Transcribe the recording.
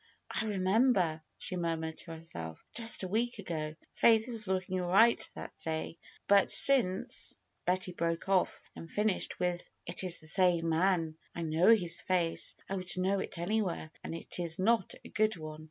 remember," she murmured to herself. ^^Just a week ago ! Faith was looking all right that day ; but since " Betty broke off, and finished with ^Ht is the same man. I know his face; I would know it any where, and it is not a good one.